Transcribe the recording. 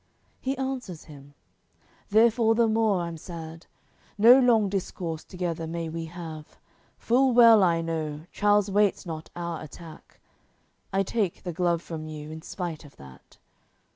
He answers him: "Therefore the more I'm sad. No long discourse together may we have; Full well I know, Charles waits not our attack, I take the glove from you, in spite of that."